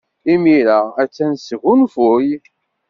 Imir-a, attan tesgunfuy.